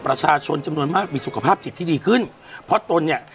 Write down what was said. ประชาชนจำนวนมากมีสุขภาพจิตที่ดีขึ้นเพราะตนเนี่ย